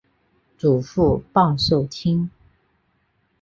祖父鲍受卿。